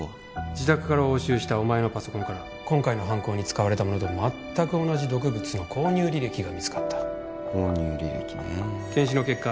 自宅から押収したお前のパソコンから今回の犯行に使われたものと全く同じ毒物の購入履歴が見つかった購入履歴ねえ検視の結果